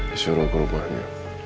disuruh ke rumahnya